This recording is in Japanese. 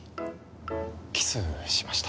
キスしました。